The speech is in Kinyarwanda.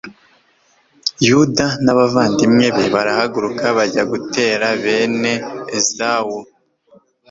yuda n'abavandimwe be barahaguruka bajya gutera bene ezawu